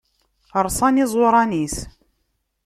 Rṣan iẓuṛan-is.